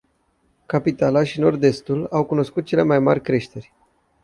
Capitala și nord-estul au cunoscut cele mai mari creșteri.